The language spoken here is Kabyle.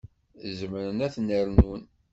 Zemren ad ten-rnun.